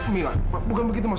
mila bukan begitu mas